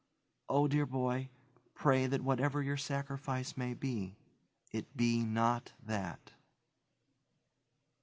Oh, dear boy, pray that whatever your sacrifice may be, it be not that."